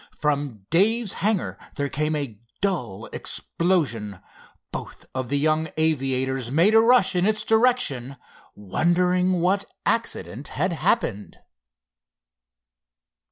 From Dave's hangar there came a dull explosion. Both of the young aviators made a rush in its direction, wondering what accident had happened.